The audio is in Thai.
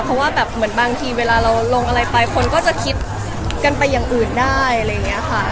เพราะว่าแบบเหมือนบางทีเวลาเราลงอะไรไปคนก็จะคิดกันไปอย่างอื่นได้อะไรอย่างนี้ค่ะ